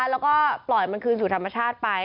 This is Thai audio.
แล้วก็ปล่อยมันคืนสู่ธรรมชาติไป